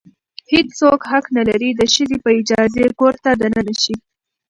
هیڅ څوک حق نه لري د ښځې په اجازې کور ته دننه شي.